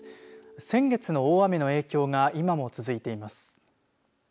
先月の大雨の影響が今も続いています。